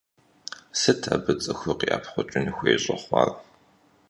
Сыт абы цӀыхур къиӀэпхъукӀын хуей щӀэхъуар?